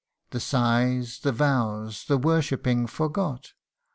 The sighs, the vows, the worshipping forgot